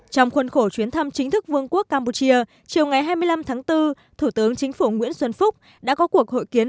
trong khuôn khổ chuyến thăm chính thức vương quốc campuchia chiều ngày hai mươi năm tháng bốn thủ tướng chính phủ nguyễn xuân phúc đã có cuộc hội kiến